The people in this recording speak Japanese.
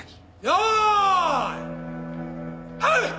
よーいはい！